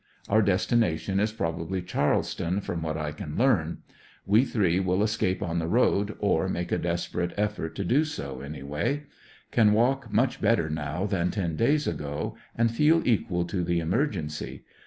Our destination is probably Charleston, from what I can learn. We three will escape on the road, or make a ANDER80NVILLE DIABT. 135 desperate effort to do so, anyway. Can walk much better now than ten days ago, and feel equal to the emergency.